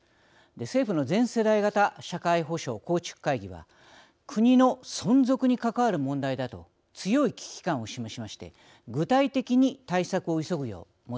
政府の全世代型社会保障構築会議は国の存続に関わる問題だと強い危機感を示しまして具体的に対策を急ぐよう求めています。